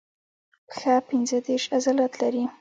پښه پنځه دیرش عضلات لري.